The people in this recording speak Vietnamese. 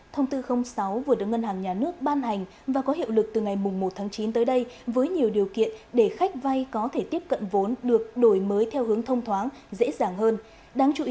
thông tư sáu vừa được ngân hàng nhà nước ban hành và có hiệu lực từ ngày một tháng chín tới đây với nhiều điều kiện để khách vay có thể tiếp cận vốn được đổi mới theo hướng thông thoáng dễ dàng hơn